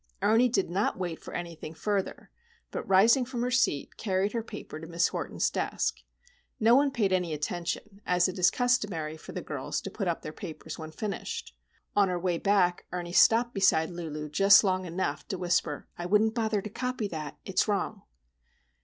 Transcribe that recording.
Ernie did not wait for anything further, but, rising from her seat, carried her paper to Miss Horton's desk. No one paid any attention, as it is customary for the girls to put up their papers when finished. On her way back Ernie stopped beside Lulu just long enough to whisper,— "I wouldn't bother to copy that. It's wrong."